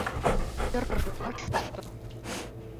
Тьр-р ыш шокто.